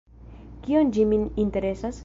Kion ĝi min interesas?